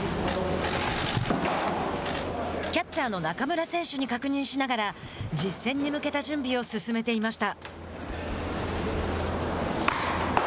キャッチャーの中村選手に確認しながら実戦に向けた準備を進めていました。